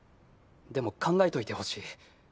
でも考えといてほしい。